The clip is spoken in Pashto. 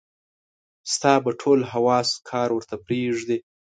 ستا به ټول حواص کار ورته پرېږدي.